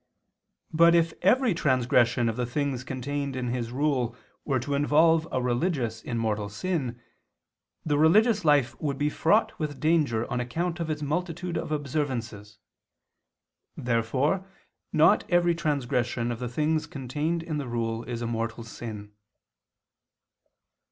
But if every transgression of the things contained in his rule were to involve a religious in mortal sin, the religious life would be fraught with danger of account of its multitude of observances. Therefore not every transgression of the things contained in the rule is a mortal sin.